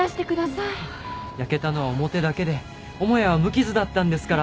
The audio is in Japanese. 焼けたのは表だけで母屋は無傷だったんですから。